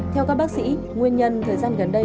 theo các bác sĩ nguyên nhân thời gian gần đây